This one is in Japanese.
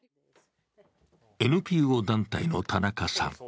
ＮＰＯ団体の田中さん。